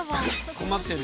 困ってる。